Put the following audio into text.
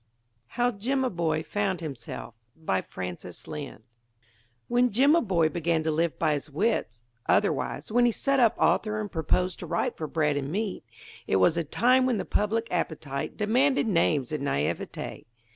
HOW JIMABOY FOUND HIMSELF BY FRANCIS LYNDE When Jimaboy began to live by his wits otherwise, when he set up author and proposed to write for bread and meat it was a time when the public appetite demanded names and naïveté.